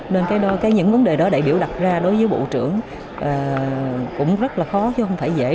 nên những vấn đề đó đại biểu đặt ra đối với bộ trưởng cũng rất là khó chứ không phải dễ